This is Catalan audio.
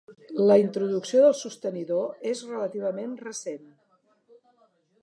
La introducció del sostenidor és relativament recent.